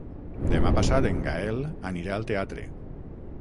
Demà passat en Gaël anirà al teatre.